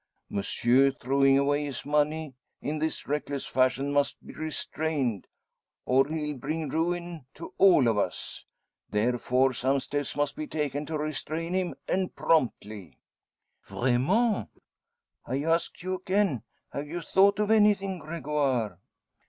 Monsieur, throwing away his money in this reckless fashion must be restrained, or he'll bring ruin to all of us. Therefore some steps must be taken to restrain him, and promptly." "Vraiment! I ask you again have you thought of anything, Gregoire?"